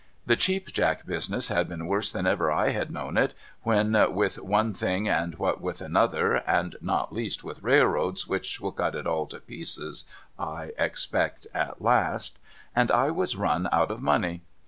The Cheap Jack business had been worse than ever I had known it, what with one thing and what with another (and not least with railroads, which will cut it all to pieces, I expect, at last), and I was i un dry of money.